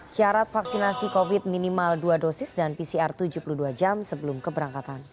syarat vaksinasi covid minimal dua dosis dan pcr tujuh puluh dua jam sebelum keberangkatan